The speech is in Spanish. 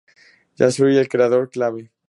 Yo soy el creador clave.